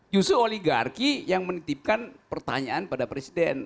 justru oligarki yang menitipkan pertanyaan pada presiden